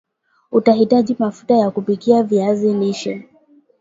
Utahitaji mafuta ya kupikia viazi lishe